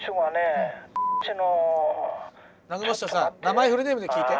南雲士長さ名前フルネームで聞いて。